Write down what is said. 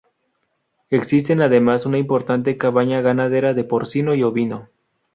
Existe además una importante cabaña ganadera de porcino y ovino.